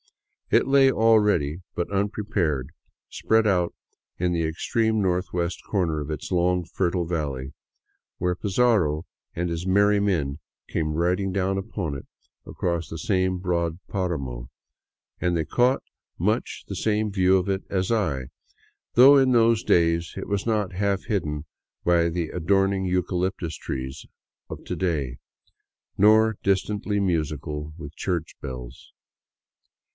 It lay already — but unprepared — spread out in the extreme northwest corner of its long, fertile valley when Pizarro and his merry men came riding down upon it across the same broad paramo, and they caught much the same view of it as I, though in those days it was not half hidden by the adorning eucalyptus trees of to day, nor dis tantly musical with church bells.